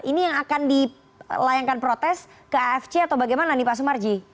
ini yang akan dilayangkan protes ke afc atau bagaimana nih pak sumarji